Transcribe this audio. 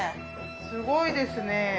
すごいですね。